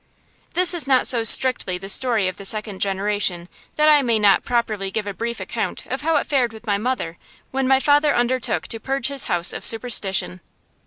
This is not so strictly the story of the second generation that I may not properly give a brief account of how it fared with my mother when my father undertook to purge his house of superstition.